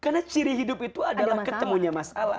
karena ciri hidup itu adalah ketemunya masalah